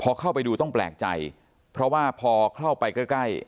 พอเข้าไปดูต้องแปลกใจเพราะว่าพอเข้าไปใกล้ใกล้